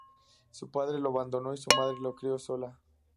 Su padre lo abandonó y su madre lo crio sola.